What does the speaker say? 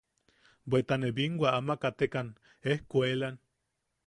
Bweta binwa ne ama katekan ejkuelan.